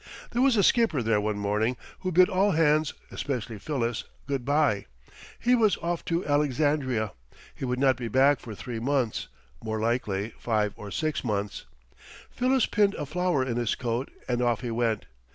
There was a skipper there one morning who bid all hands, especially Phyllis, good by. He was off to Alexandria. He would not be back for three months more likely five or six months. Phyllis pinned a flower in his coat and off he went.